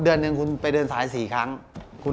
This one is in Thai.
ต้องเกี่ยวกัน